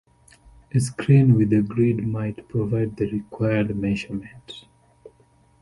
A screen with a grid might provide the required measurement.